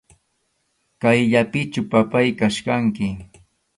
Kayllapichu, papáy, kachkanki.